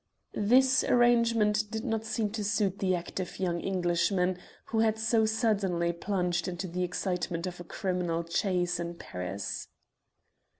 This arrangement did not seem to suit the active young Englishman who had been so suddenly plunged into the excitement of a criminal chase in Paris.